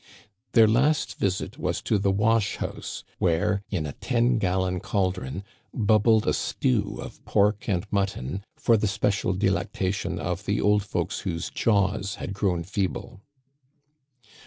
Their last visit was to the wash house where, in a ten gallon caldron, bubbled a stew of pork and mutton for the spe cial delectation of the old folks whose jaws had grown feeble.